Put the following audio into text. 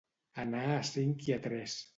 Anar a cinc i a tres.